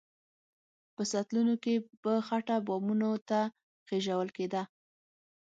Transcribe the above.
په سطلونو کې به خټه بامونو ته خېژول کېده.